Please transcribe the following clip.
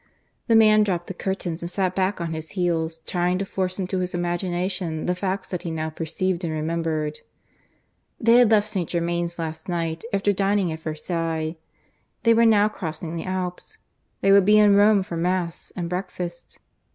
The man dropped the curtains and sat back on his heels, trying to force into his imagination the facts that he now perceived and remembered. They had left St. Germains last night, after dining at Versailles. They were now crossing the Alps. They would be in Rome for Mass and breakfast.